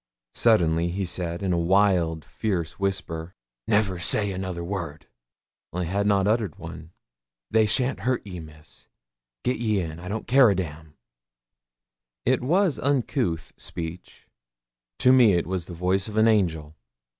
Suddenly he said, in a wild, fierce whisper 'Never say another word' (I had not uttered one). 'They shan't hurt ye, Miss; git ye in; I don't care a damn!' It was an uncouth speech. To me it was the voice of an angel.